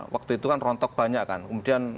waktu itu kan rontok banyak kan